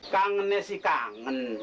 kangen ya si kangen